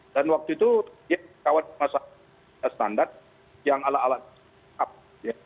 dan waktu itu dia kawasan masyarakat standar yang ala ala sakit